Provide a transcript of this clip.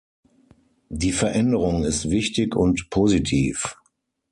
Die Veränderung ist wichtig und positiv.